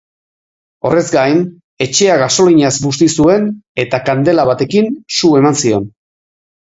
Horrez gain, etxea gasolinaz busti zuen eta kandela batekin su eman zion.